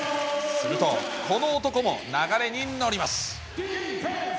すると、この男も流れに乗ります。